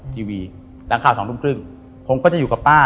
ทีวีหลังข่าวสองทุ่มครึ่งผมก็จะอยู่กับป้า